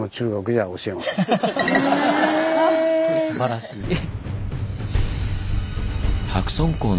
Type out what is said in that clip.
すばらしい。